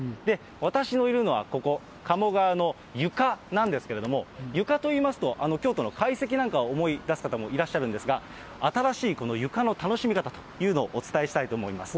私のいるのは、ここ、かも川の床なんですけれども、床といいますと、京都の懐石なんかを思い出す方もいらっしゃるんですが、新しいこの床の楽しみ方というのをお伝えしたいと思います。